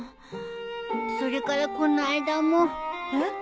それからこの間も。えっ？